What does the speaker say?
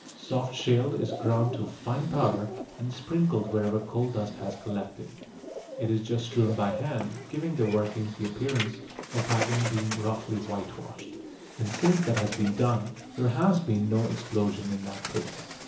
Soft shale is ground to fine powder, and is sprinkled wherever coal dust has collected. It is just strewn by hand, giving the workings the appearance of having been roughly whitewashed. And since that has been done there has been no explosion in that pit.